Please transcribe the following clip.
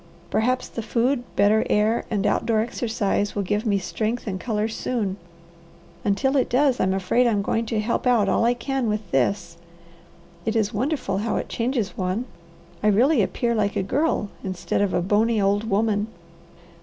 Perhaps the food, better air, and outdoor exercise will give me strength and colour soon. Until it does I'm afraid I'm going to help out all I can with this. It is wonderful how it changes one. I really appear like a girl instead of a bony old woman."